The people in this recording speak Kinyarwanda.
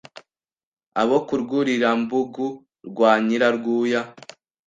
Abo ku Rwurirambugu rwa Nyirarwuya